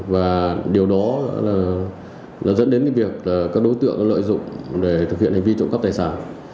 và điều đó là dẫn đến cái việc là các đối tượng lợi dụng để thực hiện hành vi trộm cắp tài sản